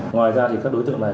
ngoài ra thì các đối tượng này